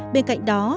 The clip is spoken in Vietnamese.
bên cạnh đó